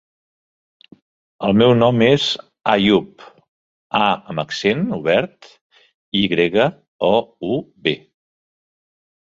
El meu nom és Àyoub: a amb accent obert, i grega, o, u, be.